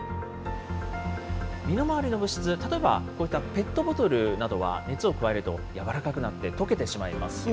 身の回りの物質、例えばこういったペットボトルなどは、熱を加えると柔らかくなって溶けてしまいますよね。